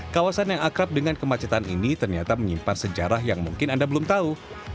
kawasan yang akrab dengan kemacetan ini ternyata menyimpan sejarah yang mungkin anda belum tahu